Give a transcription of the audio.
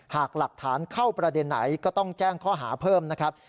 หากหลักฐานเข้าประเด็นไหนก็ต้องแจ้งข้อหาเพิ่มนะครับ